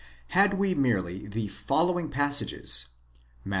44 Had we merely the following passages—Matt.